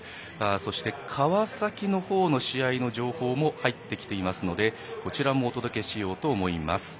そして、川崎の方の試合の情報も入ってきていますのでこちらもお届けしようと思います。